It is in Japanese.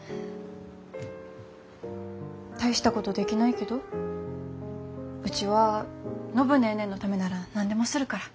大したことできないけどうちは暢ネーネーのためなら何でもするから。